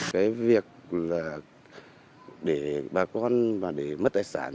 cái việc là để bà con mà để mất tài sản